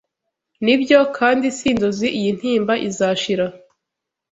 Nibyo kandi si inzozi Iyi ntimba izashira